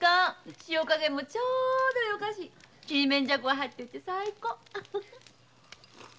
塩加減もちょうど良かしちりめんじゃこが入ってて最高！